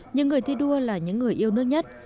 nhưng người thi đua là những người yêu nước nhất